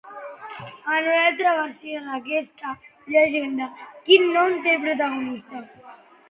En una altra versió d'aquesta llegenda, quin nom té el protagonista?